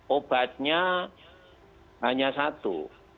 obatnya hanya satu